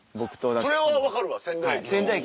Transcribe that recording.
それは分かるわ仙台駅は。